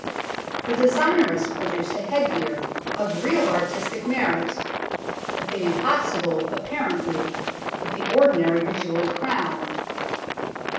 The designer has produced a headgear of real artistic merit (a thing impossible, apparently, with the ordinary bejewelled crown).